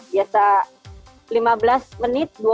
biasa lima belas menit dua puluh menit